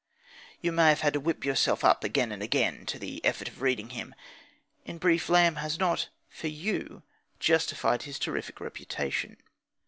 You may have had to whip yourself up again and again to the effort of reading him. In brief, Lamb has not, for you, justified his terrific reputation.